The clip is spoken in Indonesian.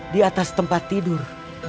di atas tempat tidur